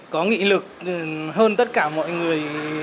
có nghị lực hơn tất cả mọi người